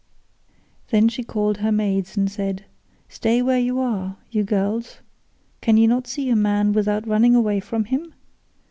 Then she called her maids and said, "Stay where you are, you girls. Can you not see a man without running away from him?